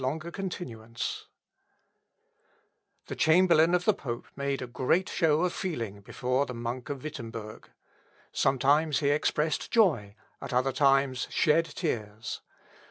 ] The chamberlain of the pope made a great show of feeling before the monk of Wittemberg. Sometimes he expressed joy, at other times shed tears.